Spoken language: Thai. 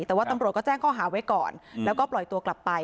แต่ว่าตำรวจก็แจ้งข้อหาไว้ก่อนแล้วก็ปล่อยตัวกลับไป